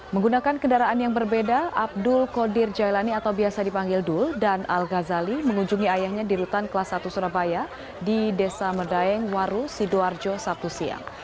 menggunakan kendaraan yang berbeda abdul qadir jailani atau biasa dipanggil dul dan al ghazali mengunjungi ayahnya di rutan kelas satu surabaya di desa medaeng waru sidoarjo sabtu siang